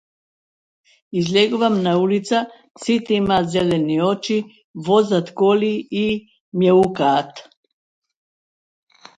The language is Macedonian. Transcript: Излегувам на улица, сите имаат зелени очи, возат коли и мјаукаат.